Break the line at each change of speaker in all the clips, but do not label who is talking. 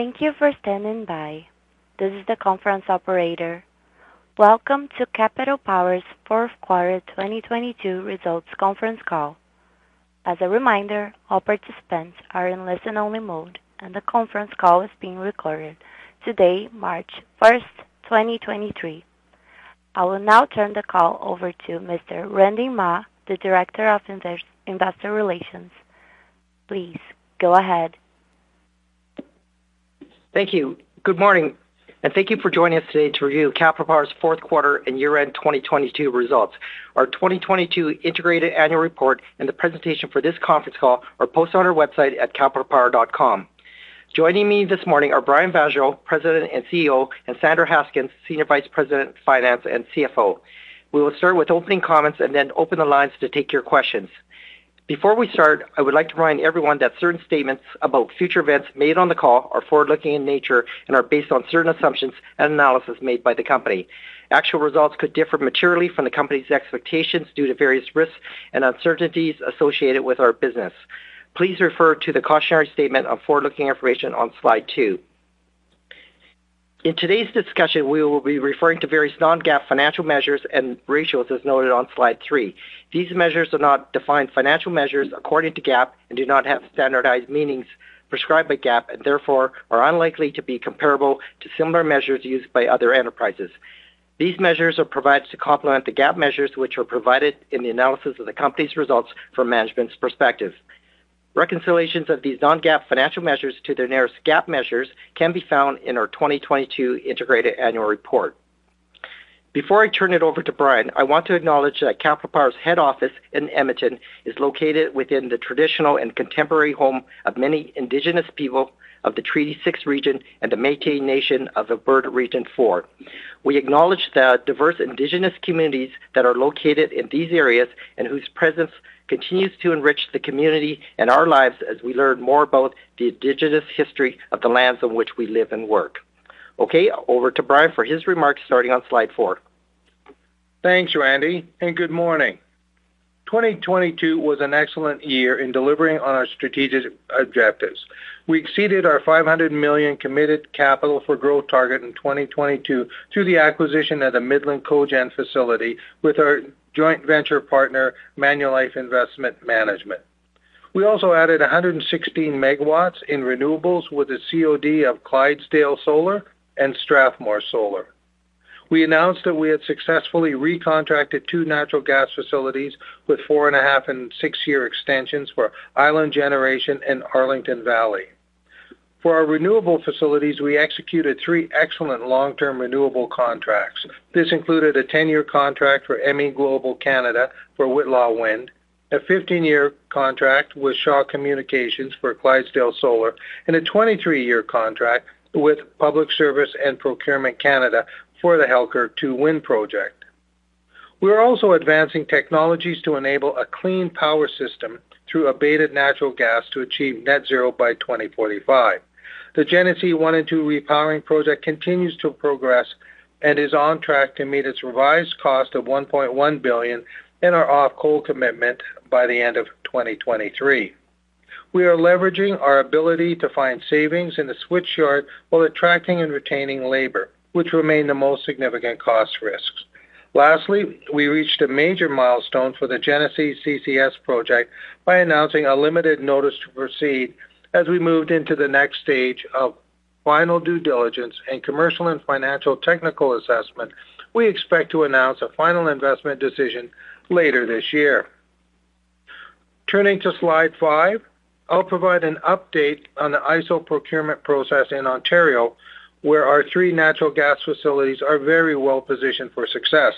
Thank you for standing by. This is the conference operator. Welcome to Capital Power's Fourth Quarter 2022 Results Conference Call. As a reminder, all participants are in listen-only mode, and the conference call is being recorded today, March 1st, 2023. I will now turn the call over to Mr. Randy Mah, the Director of Investor Relations. Please go ahead.
Thank you. Good morning, thank you for joining us today to review Capital Power's Fourth Quarter and Year-End 2022 Results. Our 2022 integrated annual report and the presentation for this conference call are posted on our website at capitalpower.com. Joining me this morning are Brian Vaasjo, President and CEO, and Sandra Haskins, Senior Vice President, Finance and CFO. We will start with opening comments then open the lines to take your questions. Before we start, I would like to remind everyone that certain statements about future events made on the call are forward-looking in nature and are based on certain assumptions and analysis made by the company. Actual results could differ materially from the company's expectations due to various risks and uncertainties associated with our business. Please refer to the cautionary statement on forward-looking information on slide two. In today's discussion, we will be referring to various non-GAAP financial measures and ratios, as noted on slide three. These measures are not defined financial measures according to GAAP and do not have standardized meanings prescribed by GAAP and therefore are unlikely to be comparable to similar measures used by other enterprises. These measures are provided to complement the GAAP measures, which are provided in the analysis of the company's results from management's perspective. Reconciliations of these non-GAAP financial measures to their nearest GAAP measures can be found in our 2022 integrated annual report. Before I turn it over to Brian, I want to acknowledge that Capital Power's head office in Edmonton is located within the traditional and contemporary home of many Indigenous people of the Treaty 6 region and the Métis Nation of Alberta Region 4. We acknowledge the diverse Indigenous communities that are located in these areas and whose presence continues to enrich the community and our lives as we learn more about the Indigenous history of the lands on which we live and work. Okay, over to Brian for his remarks, starting on slide four.
Thanks, Randy. Good morning. 2022 was an excellent year in delivering on our strategic objectives. We exceeded our 500 million committed capital for growth target in 2022 through the acquisition of the Midland Cogen facility with our joint venture partner, Manulife Investment Management. We also added 116 MW in renewables with the COD of Clydesdale Solar and Strathmore Solar. We announced that we had successfully recontracted two natural gas facilities with 4.5 and six-year extensions for Island Generation and Arlington Valley. For our renewable facilities, we executed three excellent long-term renewable contracts. This included a 10-year contract for MEGlobal Canada for Whitla Wind, a 15-year contract with Shaw Communications for Clydesdale Solar, and a 23-year contract with Public Services and Procurement Canada for the Halkirk 2 Wind Project. We are also advancing technologies to enable a clean power system through abated natural gas to achieve Net-zero by 2045. The Genesee 1 and 2 Repowering Project continues to progress and is on track to meet its revised cost of $1.1 billion in our off-coal commitment by the end of 2023. We are leveraging our ability to find savings in the switchyard while attracting and retaining labor, which remain the most significant cost risks. We reached a major milestone for the Genesee CCS Project by announcing a limited notice to proceed as we moved into the next stage of final due diligence and commercial and financial technical assessment. We expect to announce a final investment decision later this year. Turning to slide five, I'll provide an update on the IESO procurement process in Ontario, where our three natural gas facilities are very well-positioned for success.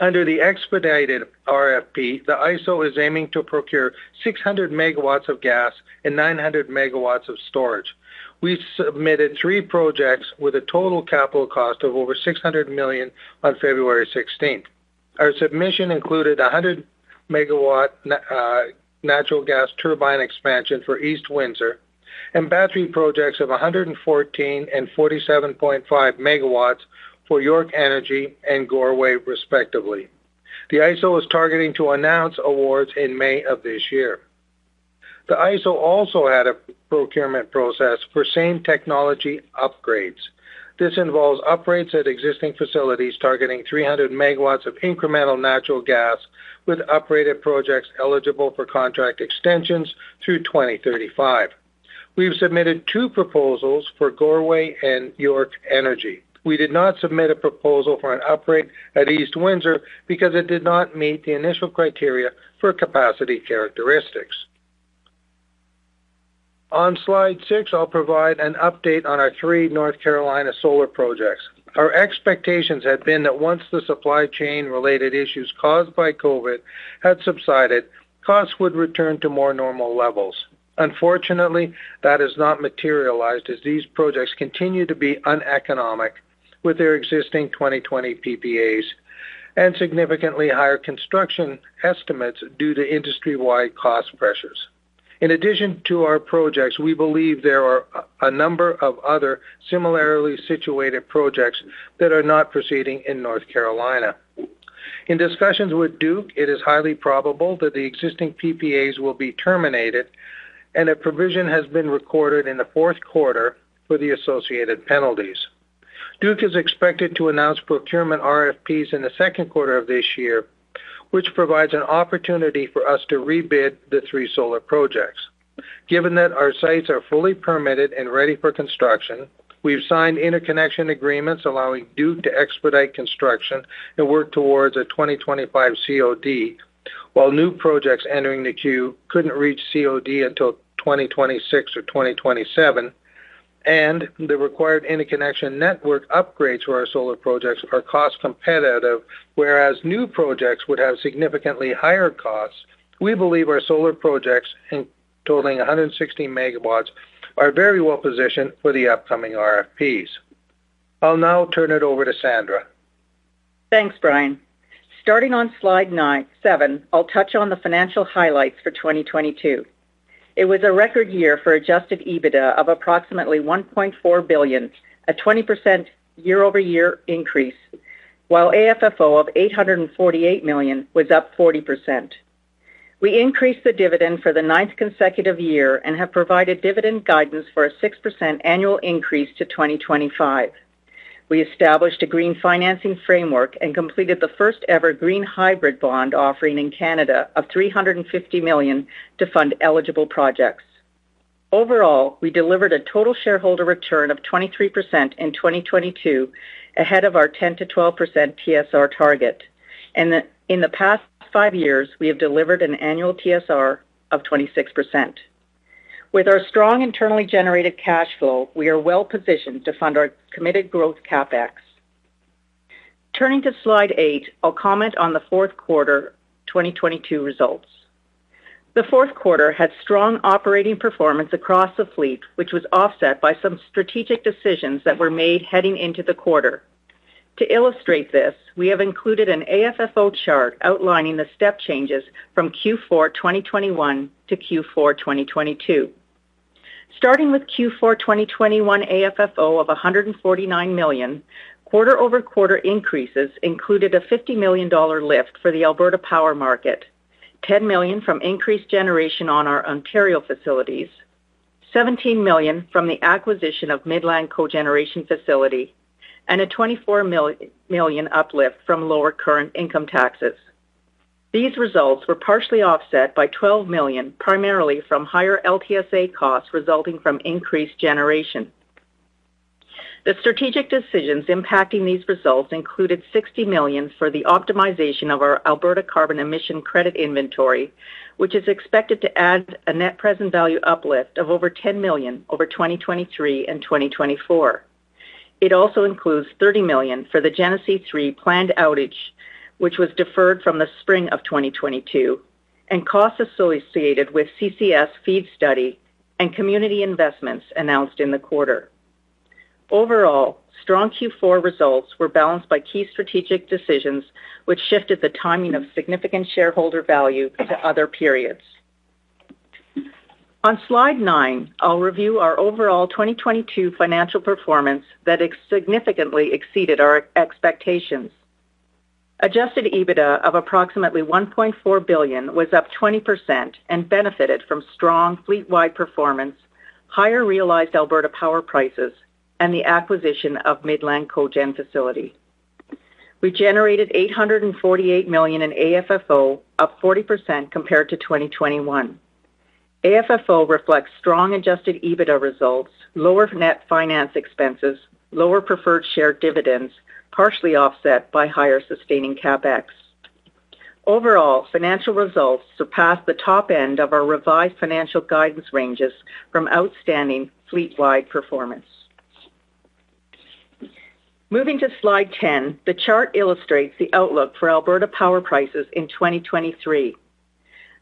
Under the expedited RFP, the IESO is aiming to procure 600 MW of gas and 900 MW of storage. We submitted three projects with a total capital cost of over $600 million on February 16th. Our submission included a 100 MW natural gas turbine expansion for East Windsor and battery projects of 114 MW and 47.5 MW for York Energy and Goreway respectively. The IESO is targeting to announce awards in May of this year. The IESO also had a procurement process for same technology upgrades. This involves upgrades at existing facilities targeting 300 MW of incremental natural gas with upgraded projects eligible for contract extensions through 2035. We've submitted two proposals for Goreway and York Energy. We did not submit a proposal for an upgrade at East Windsor because it did not meet the initial criteria for capacity characteristics. On slide six, I'll provide an update on our three North Carolina solar projects. Our expectations had been that once the supply chain-related issues caused by COVID had subsided, costs would return to more normal levels. Unfortunately, that has not materialized as these projects continue to be uneconomic with their existing 2020 PPAs and significantly higher construction estimates due to industry-wide cost pressures. In addition to our projects, we believe there are a number of other similarly situated projects that are not proceeding in North Carolina. In discussions with Duke, it is highly probable that the existing PPAs will be terminated and a provision has been recorded in the fourth quarter for the associated penalties. Duke is expected to announce procurement RFPs in the second quarter of this year, which provides an opportunity for us to rebid the three solar projects. Given that our sites are fully permitted and ready for construction, we have signed interconnection agreements allowing Duke to expedite construction and work towards a 2025 COD, while new projects entering the queue couldn't reach COD until 2026 or 2027. The required interconnection network upgrades for our solar projects are cost-competitive, whereas new projects would have significantly higher costs. We believe our solar projects, totaling 160 MW, are very well-positioned for the upcoming RFPs. I'll now turn it over to Sandra.
Thanks, Brian. Starting on slide seven, I'll touch on the financial highlights for 2022. It was a record year for adjusted EBITDA of approximately 1.4 billion, a 20% year-over-year increase, while AFFO of 848 million was up 40%. We increased the dividend for the ninth consecutive year and have provided dividend guidance for a 6% annual increase to 2025. We established a Green Financing Framework and completed the first-ever green hybrid bond offering in Canada of 350 million to fund eligible projects. Overall, we delivered a total shareholder return of 23% in 2022, ahead of our 10%-12% TSR target. In the past five years, we have delivered an annual TSR of 26%. With our strong internally generated cash flow, we are well-positioned to fund our committed growth CapEx. Turning to slide eight, I'll comment on the fourth quarter 2022 results. The fourth quarter had strong operating performance across the fleet, which was offset by some strategic decisions that were made heading into the quarter. To illustrate this, we have included an AFFO chart outlining the step changes from Q4 2021 to Q4 2022. Starting with Q4 2021 AFFO of 149 million, quarter-over-quarter increases included a 50 million dollar lift for the Alberta Power market, 10 million from increased generation on our Ontario facilities, 17 million from the acquisition of Midland Cogeneration facility, and a 24 million uplift from lower current income taxes. These results were partially offset by 12 million, primarily from higher LTSA costs resulting from increased generation. The strategic decisions impacting these results included 60 million for the optimization of our Alberta Carbon Emission Credit Inventory, which is expected to add a net present value uplift of over 10 million over 2023 and 2024. It also includes 30 million for the Genesee 3 planned outage, which was deferred from the spring of 2022, and costs associated with CCS FEED study and community investments announced in the quarter. Overall, strong Q4 results were balanced by key strategic decisions which shifted the timing of significant shareholder value to other periods. On slide nine, I'll review our overall 2022 financial performance that significantly exceeded our expectations. Adjusted EBITDA of approximately 1.4 billion was up 20% and benefited from strong fleet-wide performance, higher realized Alberta power prices, and the acquisition of Midland Cogen facility. We generated 848 million in AFFO, up 40% compared to 2021. AFFO reflects strong adjusted EBITDA results, lower net finance expenses, lower preferred share dividends, partially offset by higher sustaining CapEx. Overall, financial results surpassed the top end of our revised financial guidance ranges from outstanding fleet-wide performance. Moving to slide 10, the chart illustrates the outlook for Alberta power prices in 2023.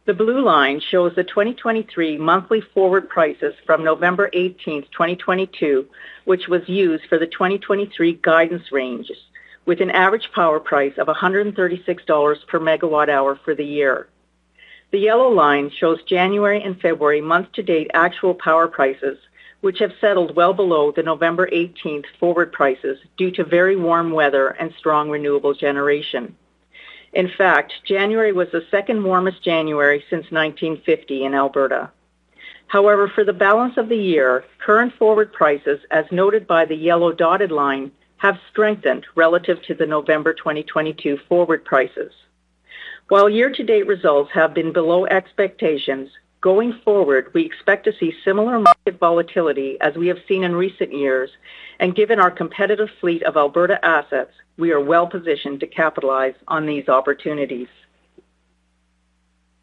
The blue line shows the 2023 monthly forward prices from November 18th, 2022, which was used for the 2023 guidance ranges, with an average power price of 136 dollars per megawatt hour for the year. The yellow line shows January and February month-to-date actual power prices, which have settled well below the November 18th forward prices due to very warm weather and strong renewable generation. In fact, January was the second warmest January since 1950 in Alberta. However, for the balance of the year, current forward prices, as noted by the yellow dotted line, have strengthened relative to the November 2022 forward prices. While year-to-date results have been below expectations, going forward, we expect to see similar market volatility as we have seen in recent years. Given our competitive fleet of Alberta assets, we are well-positioned to capitalize on these opportunities.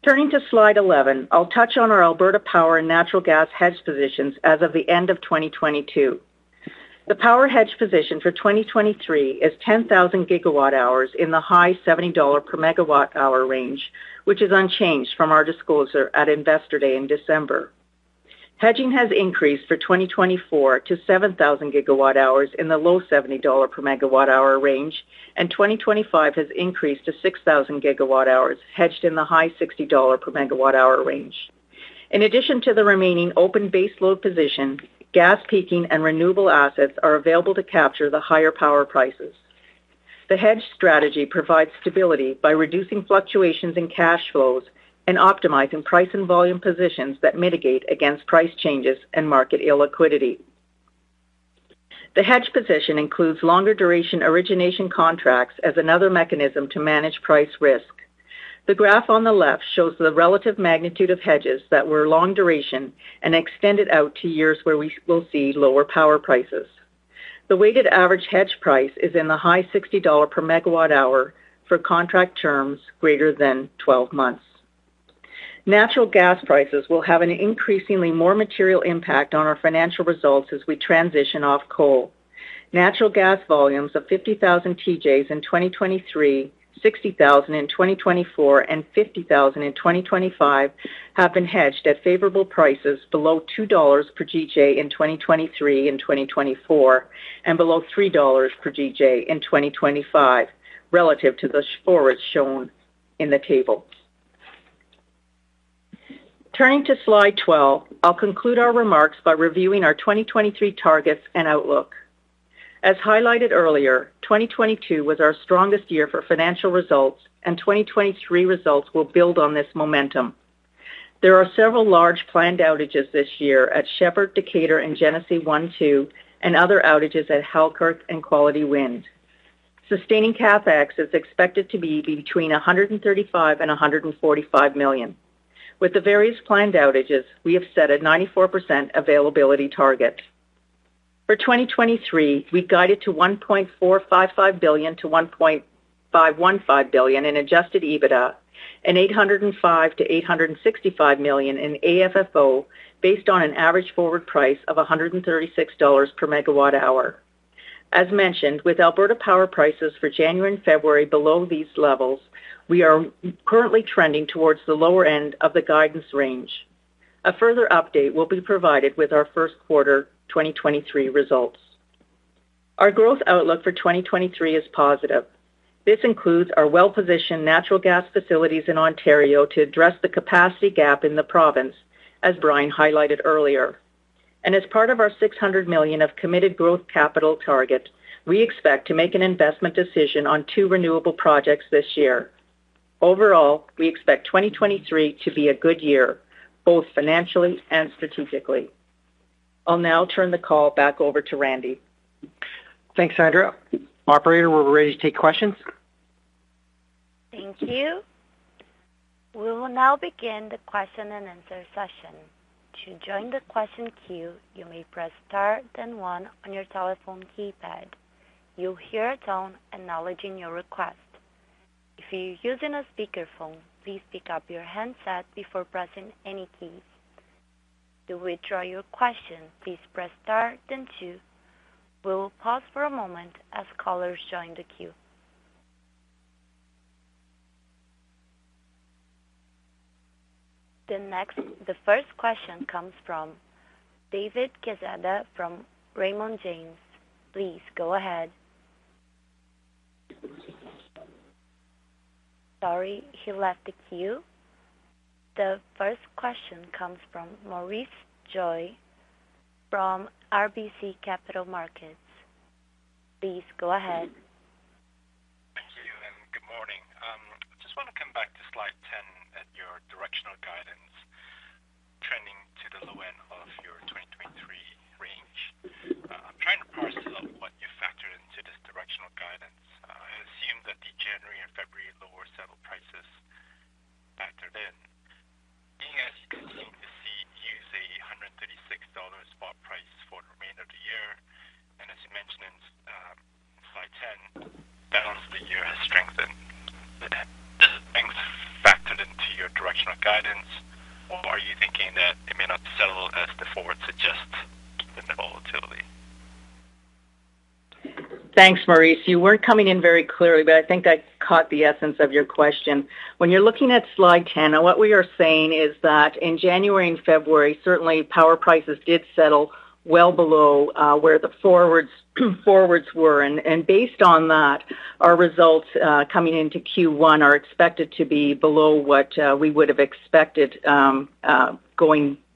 Turning to slide 11, I'll touch on our Alberta power and natural gas hedge positions as of the end of 2022. The power hedge position for 2023 is 10,000 GWh in the high 70 dollar per MWh range, which is unchanged from our disclosure at Investor Day in December. Hedging has increased for 2024 to 7,000 gigawatt hours in the low 70 dollar per megawatt hour range, and 2025 has increased to 6,000 gigawatt hours, hedged in the high 60 dollar per megawatt hour range. In addition to the remaining open baseload position, gas peaking and renewable assets are available to capture the higher power prices. The hedge strategy provides stability by reducing fluctuations in cash flows and optimizing price and volume positions that mitigate against price changes and market illiquidity. The hedge position includes longer duration origination contracts as another mechanism to manage price risk. The graph on the left shows the relative magnitude of hedges that were long duration and extended out to years where we will see lower power prices. The weighted average hedge price is in the high 60 dollar per megawatt hour for contract terms greater than 12 months. Natural gas prices will have an increasingly more material impact on our financial results as we transition off coal. Natural gas volumes of 50,000 TJs in 2023, 60,000 in 2024, and 50,000 in 2025 have been hedged at favorable prices below 2 dollars per GJ in 2023 and 2024, and below 3 dollars per GJ in 2025 relative to the forwards shown in the table. Turning to slide 12, I'll conclude our remarks by reviewing our 2023 targets and outlook. As highlighted earlier, 2022 was our strongest year for financial results, and 2023 results will build on this momentum. There are several large planned outages this year at Shepard, Decatur, and Genesee 1, 2 and other outages at Halkirk and Quality Wind. Sustaining CapEx is expected to be between 135 million and 145 million. With the various planned outages, we have set a 94% availability target. For 2023, we guided to 1.455 billion-1.515 billion in adjusted EBITDA and 805 million-865 million in AFFO based on an average forward price of 136 dollars per MW hour. As mentioned, with Alberta power prices for January and February below these levels, we are currently trending towards the lower end of the guidance range. A further update will be provided with our first quarter 2023 results. Our growth outlook for 2023 is positive. This includes our well-positioned natural gas facilities in Ontario to address the capacity gap in the province, as Brian highlighted earlier. As part of our 600 million of committed growth capital target, we expect to make an investment decision on two renewable projects this year. Overall, we expect 2023 to be a good year, both financially and strategically. I'll now turn the call back over to Randy.
Thanks, Sandra. Operator, we're ready to take questions.
Thank you. We will now begin the question-and-answer session. To join the question queue, you may press star then one on your telephone keypad. You'll hear a tone acknowledging your request. If you're using a speakerphone, please pick up your handset before pressing any keys. To withdraw your question, please press star then two. We will pause for a moment as callers join the queue. The first question comes from David Quezada from Raymond James. Please go ahead. Sorry, he left the queue. The first question comes from Maurice Choy from RBC Capital Markets. Please go ahead.
Thank you. Good morning. I just want to come back to Slide 10 at your directional guidance trending to the low end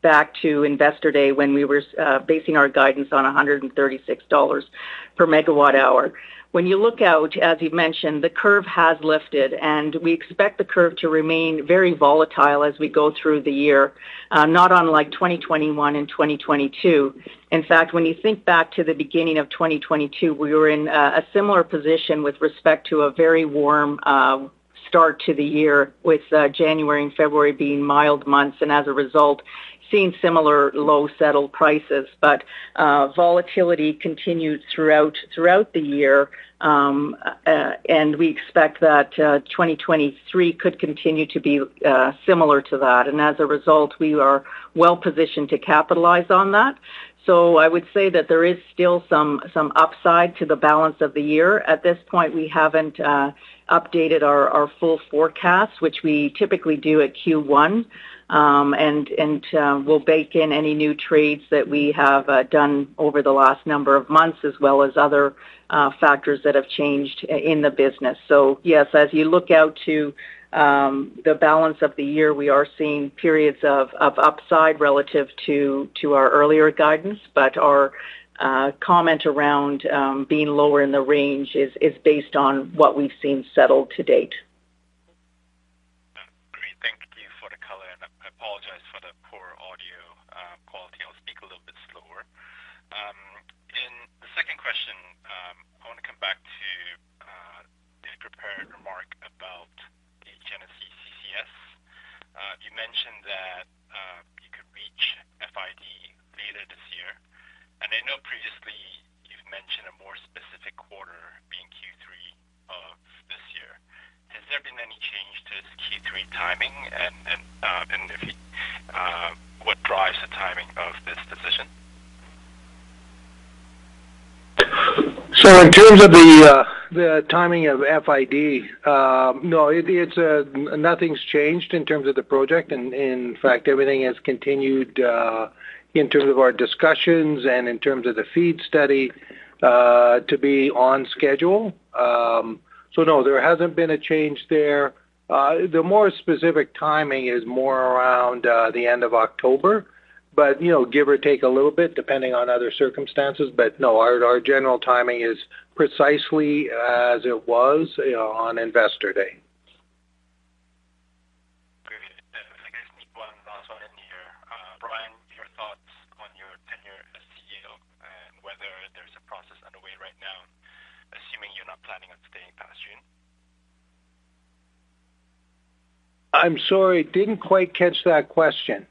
back to Investor Day when we were basing our guidance on 136 dollars per megawatt hour. When you look out, as you mentioned, the curve has lifted, and we expect the curve to remain very volatile as we go through the year, not unlike 2021 and 2022. In fact, when you think back to the beginning of 2022, we were in a similar position with respect to a very warm start to the year with January and February being mild months, and as a result, seeing similar low settled prices. Volatility continued throughout the year, and we expect that 2023 could continue to be similar to that. As a result, we are well-positioned to capitalize on that. I would say that there is still some upside to the balance of the year. At this point, we haven't updated our full forecast, which we typically do at Q1. And we'll bake in any new trades that we have done over the last number of months, as well as other factors that have changed in the business. Yes, as you look out to, the balance of the year, we are seeing periods of upside relative to our earlier guidance. Our comment around, being lower in the range is based on what we've seen settled to date.
Great. Thank you for the color, I apologize for the poor audio quality. I'll speak a little bit slower. In the second question, I want to come back to the prepared remark about the Genesee CCS. You mentioned that you could reach FID later this year. I know previously you've mentioned a more specific quarter being Q3 of this year. Has there been any change to the Q3 timing? What drives the timing of this decision?
In terms of the timing of FID, no, it's, nothing's changed in terms of the project. In fact, everything has continued in terms of our discussions and in terms of the FEED study to be on schedule. No, there hasn't been a change there. The more specific timing is more around the end of October, but, you know, give or take a little bit depending on other circumstances. No, our general timing is precisely as it was, you know, on Investor Day.
Great. If I could sneak one last one in here, Brian, your thoughts on your tenure as CEO and whether there's a process underway right now, assuming you're not planning on staying past June?
I'm sorry. Didn't quite catch that question.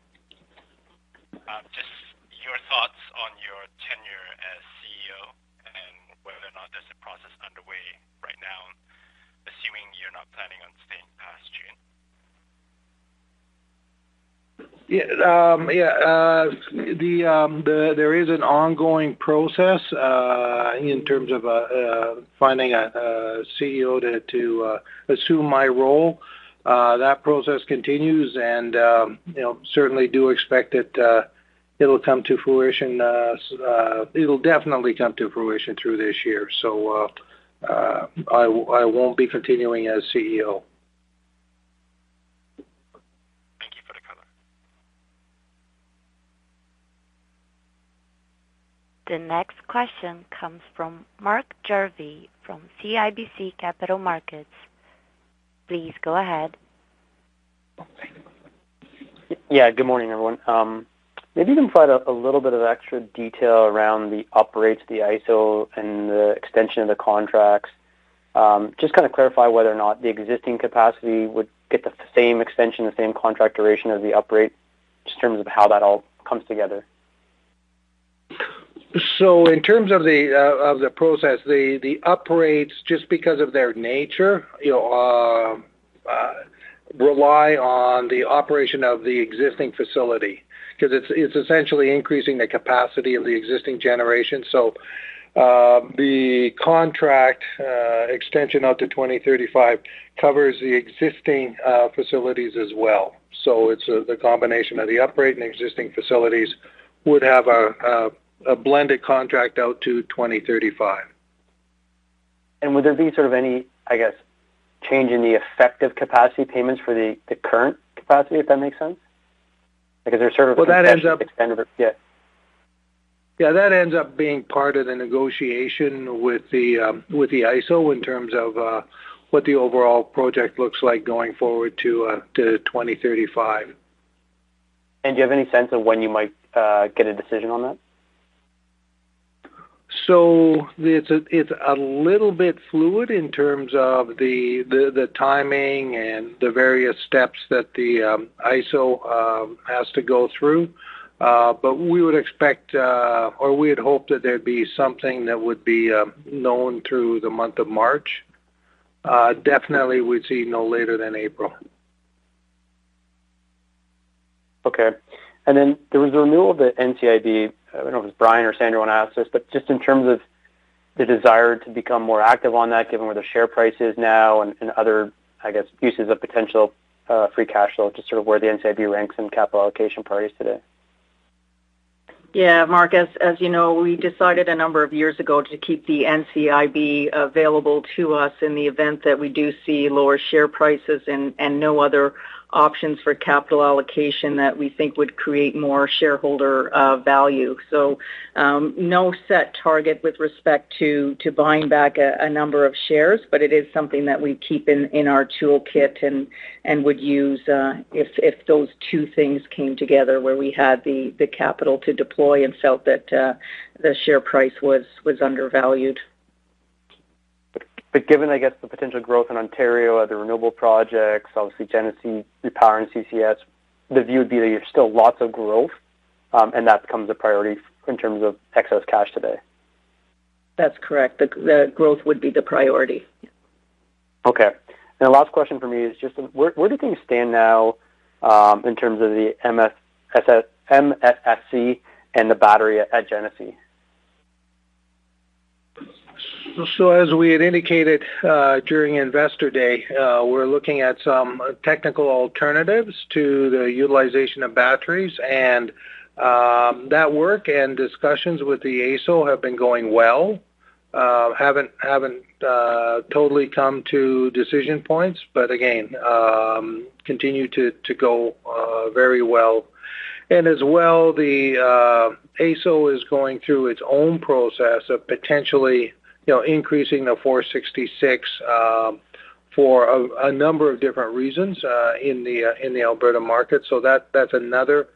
Just your thoughts on your tenure as CEO and whether or not there's a process underway right now, assuming you're not planning on staying past June.
Yeah. The, there is an ongoing process in terms of finding a CEO to assume my role. That process continues and, you know, certainly do expect that it'll come to fruition, it'll definitely come to fruition through this year. I won't be continuing as CEO.
Thank you for the color.
The next question comes from Mark Jarvi from CIBC Capital Markets. Please go ahead.
Thank you.
Yeah. Good morning, everyone. Maybe you can provide a little bit of extra detail around the operates, the IESO, and the extension of the contracts. Just kind of clarify whether or not the existing capacity would get the same extension, the same contract duration as the operate, just in terms of how that all comes together.
In terms of the of the process, the operates just because of their nature, you know, rely on the operation of the existing facility 'cause it's essentially increasing the capacity of the existing generation. The contract extension out to 2035 covers the existing facilities as well. It's the combination of the operate and existing facilities would have a blended contract out to 2035.
Would there be sort of any, I guess, change in the effective capacity payments for the current capacity, if that makes sense? Like, is there?
Well, that.
extended it? Yeah.
That ends up being part of the negotiation with the IESO in terms of what the overall project looks like going forward to 2035.
Do you have any sense of when you might get a decision on that?
It's a, it's a little bit fluid in terms of the, the timing and the various steps that the IESO has to go through. We would expect, or we would hope that there'd be something that would be known through the month of March. Definitely we'd see no later than April.
Okay. Then there was a renewal of the NCIB. I don't know if it's Brian or Sandra want to answer this, just in terms of the desire to become more active on that, given where the share price is now and other, I guess, uses of potential free cash flow, just sort of where the NCIB ranks in capital allocation priorities today?
Yeah. Mark, as you know, we decided a number of years ago to keep the NCIB available to us in the event that we do see lower share prices and no other options for capital allocation that we think would create more shareholder value. No set target with respect to buying back a number of shares, but it is something that we keep in our toolkit and would use if those two things came together where we had the capital to deploy and felt that the share price was undervalued.
Given, I guess, the potential growth in Ontario, other renewable projects, obviously Genesee Repowering CCS, the view would be that there's still lots of growth, and that becomes a priority in terms of excess cash today.
That's correct. The growth would be the priority.
Okay. The last question from me is just where do things stand now, in terms of the MSSC and the battery at Genesee?
As we had indicated, during Investor Day, we're looking at some technical alternatives to the utilization of batteries. That work and discussions with the AESO have been going well. Haven't totally come to decision points. Again, continue to go very well. As well, the AESO is going through its own process of potentially, you know, increasing the 466 MW for a number of different reasons in the Alberta market. That's another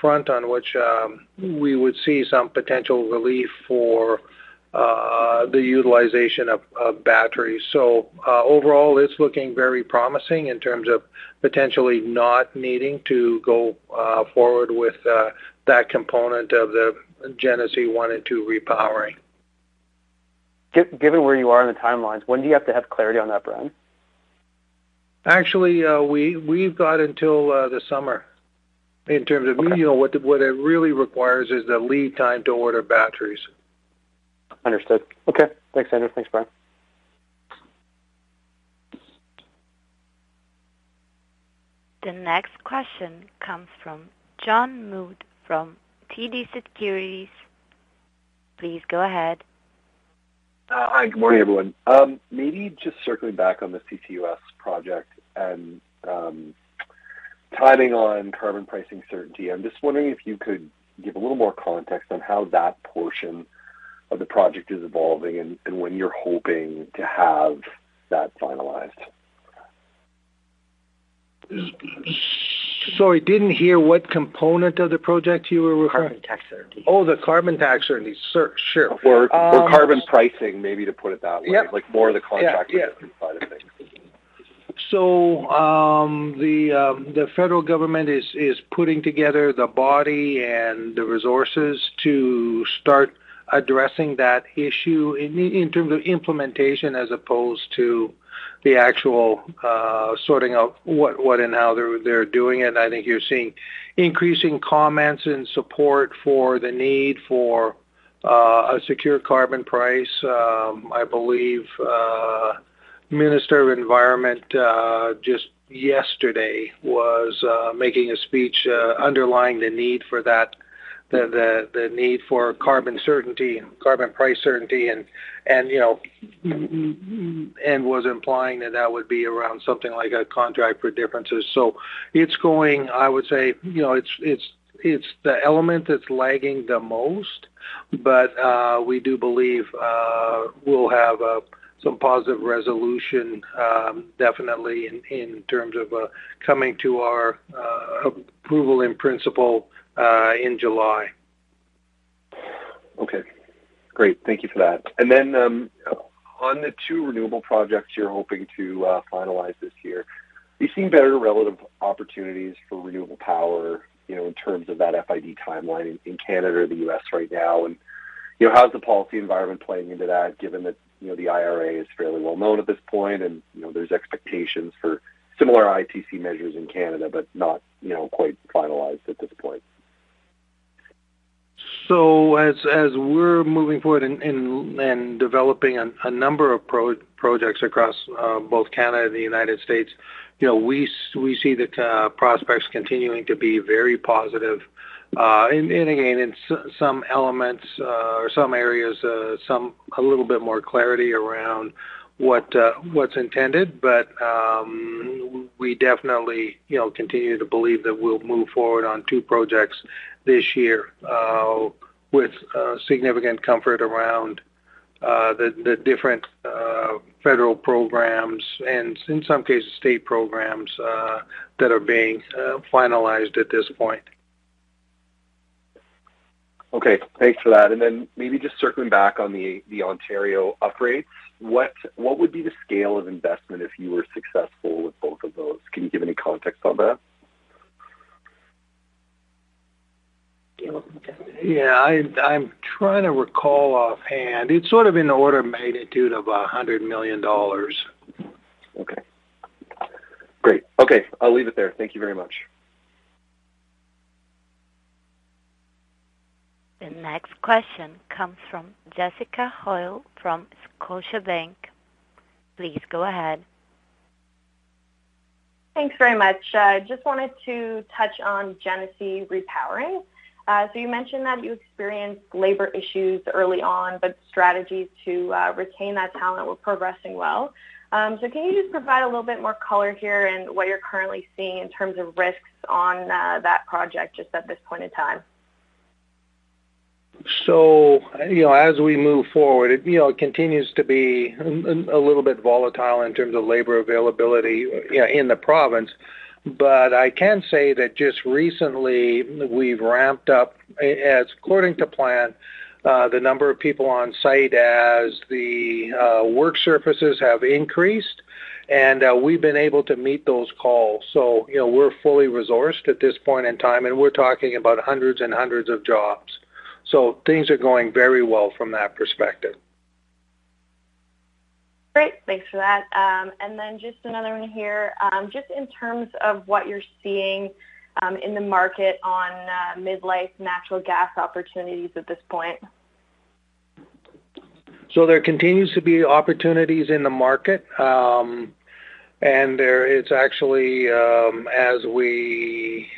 front on which we would see some potential relief for the utilization of batteries. Overall, it's looking very promising in terms of potentially not needing to go forward with that component of the Genesee one and two repowering.
given where you are in the timelines, when do you have to have clarity on that front?
Actually, we've got until the summer.
Okay.
You know, what it really requires is the lead time to order batteries.
Understood. Okay. Thanks, Sandra. Thanks, Brian.
The next question comes from John Mould from TD Securities. Please go ahead.
Hi. Good morning, everyone. Maybe just circling back on the CCUS project and timing on carbon pricing certainty, I'm just wondering if you could give a little more context on how that portion of the project is evolving and when you're hoping to have that finalized?
Sorry, didn't hear what component of the project you were referring.
Carbon tax certainty.
Oh, the carbon tax certainty. Sure.
Carbon pricing, maybe to put it that way.
Yep.
Like, more of the contract-
Yeah. Yeah
certainty side of things.
The federal government is putting together the body and the resources to start addressing that issue in terms of implementation as opposed to the actual sorting out what and how they're doing it. I think you're seeing increasing comments in support for the need for a secure carbon price. I believe Minister of Environment just yesterday was making a speech underlying the need for that. The need for carbon certainty and carbon price certainty. You know, was implying that that would be around something like a contract for differences. I would say, you know, it's the element that's lagging the most. We do believe we'll have some positive resolution, definitely in terms of coming to our approval in principle in July.
Okay. Great. Thank you for that. On the two renewable projects you're hoping to finalize this year, do you see better relative opportunities for renewable power, you know, in terms of that FID timeline in Canada or the US right now? How's the policy environment playing into that, given that, you know, the IRA is fairly well known at this point, and, you know, there's expectations for similar ITC measures in Canada, but not, you know, quite finalized at this point?
As we're moving forward and developing a number of projects across both Canada and the United States, you know, we see the prospects continuing to be very positive. Again, in some elements, or some areas, a little bit more clarity around what what's intended. We definitely, you know, continue to believe that we'll move forward on two projects this year, with significant comfort around the different federal programs and in some cases state programs that are being finalized at this point.
Okay. Thanks for that. Maybe just circling back on the Ontario upgrades. What would be the scale of investment if you were successful with both of those? Can you give any context on that?
Yeah. I'm trying to recall offhand. It's sort of in the order of magnitude of 100 million dollars.
Okay. Great. Okay, I'll leave it there. Thank you very much.
The next question comes from Jessica Hoyle from Scotiabank. Please go ahead,
Thanks very much. Just wanted to touch on Genesee Repowering. You mentioned that you experienced labor issues early on, but strategies to, retain that talent were progressing well. Can you just provide a little bit more color here in what you're currently seeing in terms of risks on, that project just at this point in time?
You know, as we move forward, it, you know, continues to be a little bit volatile in terms of labor availability, you know, in the province. I can say that just recently we've ramped up as according to plan, the number of people on site as the work surfaces have increased, and we've been able to meet those calls. You know, we're fully resourced at this point in time, and we're talking about hundreds and hundreds of jobs. Things are going very well from that perspective.
Great. Thanks for that. Just another one here. Just in terms of what you're seeing, in the market on, midlife natural gas opportunities at this point.
There continues to be opportunities in the market. There is actually, as we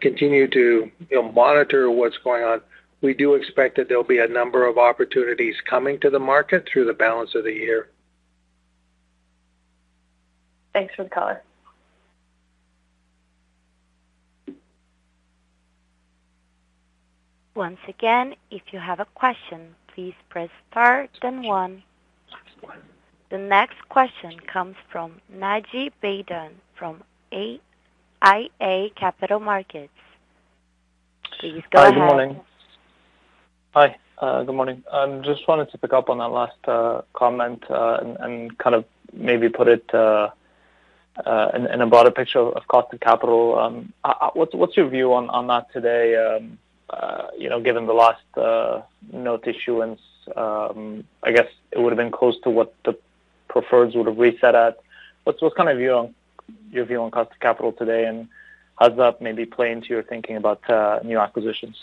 continue to, you know, monitor what's going on. We do expect that there'll be a number of opportunities coming to the market through the balance of the year.
Thanks for the color.
Once again, if you have a question, please press star then one. The next question comes from Naji Baydoun from iA Capital Markets. Please go ahead.
Hi, good morning. Hi, good morning. Just wanted to pick up on that last comment and kind of maybe put it in a broader picture of cost of capital. What's your view on that today, you know, given the last note issuance? I guess it would have been close to what the preferred would have reset at. What's kind of your view on cost of capital today, and how does that maybe play into your thinking about new acquisitions?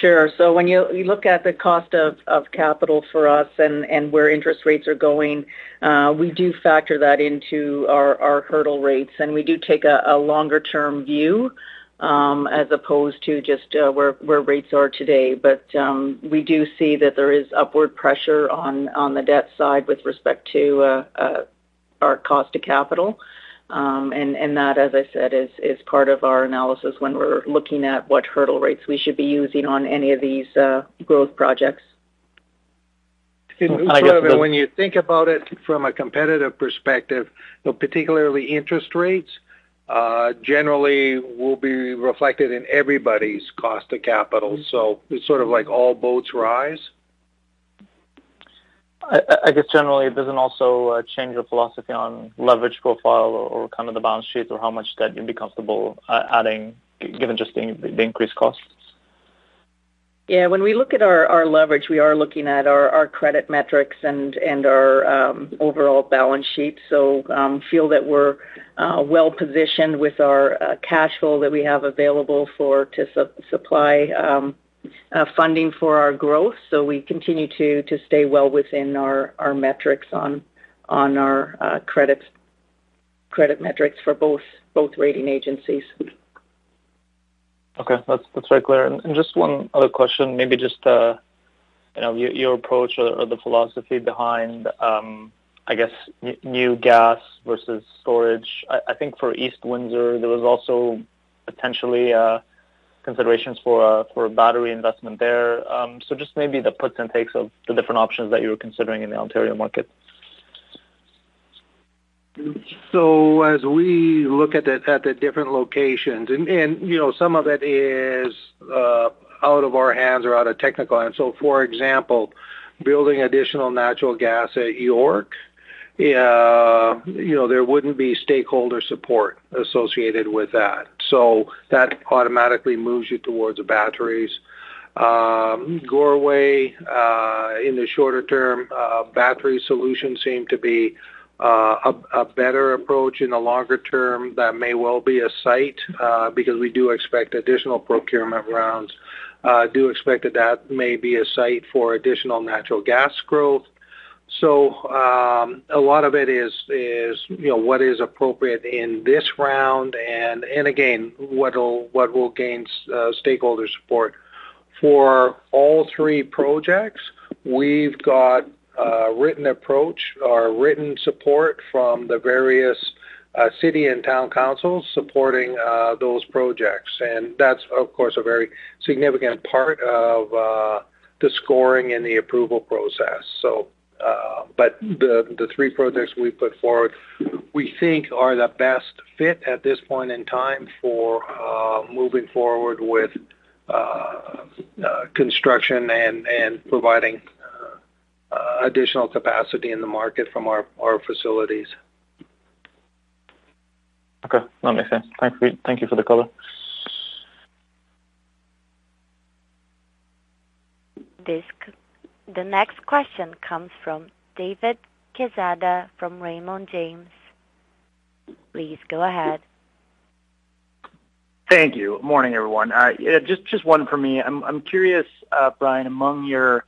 Sure. When you look at the cost of capital for us and where interest rates are going, we do factor that into our hurdle rates, and we do take a longer-term view, as opposed to just where rates are today. We do see that there is upward pressure on the debt side with respect to our cost of capital. That, as I said, is part of our analysis when we're looking at what hurdle rates we should be using on any of these growth projects.
When you think about it from a competitive perspective, you know, particularly interest rates, generally will be reflected in everybody's cost of capital. It's sort of like all boats rise.
I guess generally it doesn't also change your philosophy on leverage profile or kind of the balance sheet or how much debt you'd be comfortable adding given just the increased costs.
When we look at our leverage, we are looking at our credit metrics and our overall balance sheet. Feel that we're well positioned with our cash flow that we have available to supply funding for our growth. We continue to stay well within our metrics on our credit metrics for both rating agencies.
Okay. That's very clear. Just one other question, maybe just, you know, your approach or the philosophy behind, I guess, new gas versus storage. I think for East Windsor, there was also potentially, for a battery investment there. Just maybe the puts and takes of the different options that you were considering in the Ontario market.
As we look at the different locations, and, you know, some of it is out of our hands or out of technical. For example, building additional natural gas at York, you know, there wouldn't be stakeholder support associated with that. That automatically moves you towards the batteries. Goreway, in the shorter term, battery solutions seem to be a better approach. In the longer term, that may well be a site because we do expect additional procurement rounds. I do expect that that may be a site for additional natural gas growth. A lot of it is, you know, what is appropriate in this round and again, what will gain stakeholder support. For all three projects, we've got a written approach or written support from the various city and town councils supporting those projects. That's, of course, a very significant part of the scoring and the approval process. The three projects we put forward, we think are the best fit at this point in time for moving forward with construction and providing additional capacity in the market from our facilities.
Okay. That makes sense. Thank you. Thank you for the color.
The next question comes from David Quezada from Raymond James. Please go ahead.
Thank you. Morning, everyone. Yeah, just one for me. I'm curious, Brian, among your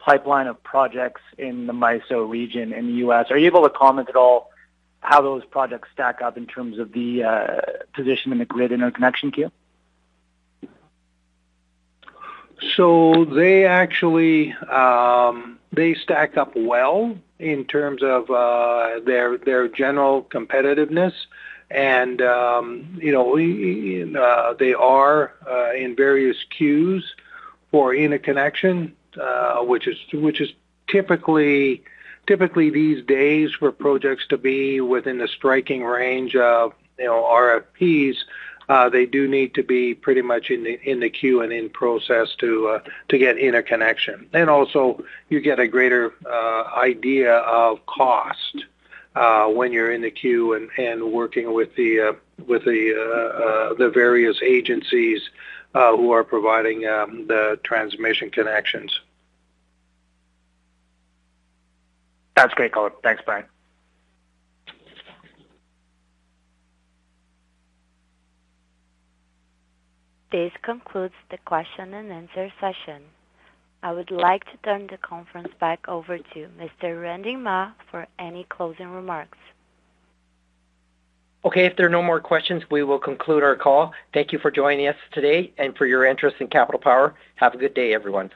pipeline of projects in the MISO region in the U.S., are you able to comment at all how those projects stack up in terms of the position in the grid interconnection queue?
They actually stack up well in terms of their general competitiveness. You know, they are in various queues for interconnection, which is typically these days for projects to be within the striking range of, you know, RFPs, they do need to be pretty much in the queue and in process to get interconnection. Also you get a greater idea of cost when you're in the queue and working with the various agencies who are providing the transmission connections.
That's great color. Thanks, Brian.
This concludes the question and answer session. I would like to turn the conference back over to Mr. Randy Mah for any closing remarks.
Okay. If there are no more questions, we will conclude our call. Thank you for joining us today and for your interest in Capital Power. Have a good day, everyone.